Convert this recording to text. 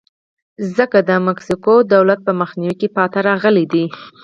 ځکه د مکسیکو دولت په مخنیوي کې پاتې راغلی دی.